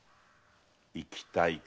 行きたいか？